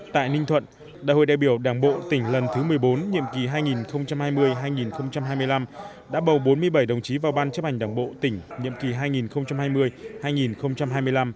tại ninh thuận đại hội đại biểu đảng bộ tỉnh lần thứ một mươi bốn nhiệm kỳ hai nghìn hai mươi hai nghìn hai mươi năm đã bầu bốn mươi bảy đồng chí vào ban chấp hành đảng bộ tỉnh nhiệm kỳ hai nghìn hai mươi hai nghìn hai mươi năm